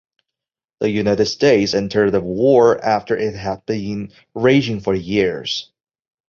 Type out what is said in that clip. The United States entered the war after it had been raging for years.